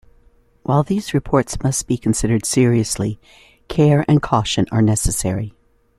While these reports must be considered seriously, care and caution are necessary.